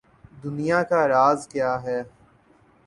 دنیا کا راز کیا ہے؟